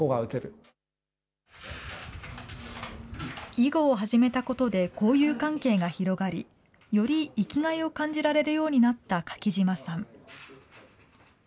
囲碁を始めたことで交友関係が広がり、より生きがいを感じられるようになった柿島さん。